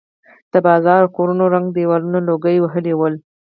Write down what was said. د بازار او کورونو ړنګ دېوالونه لوګو وهلي ول.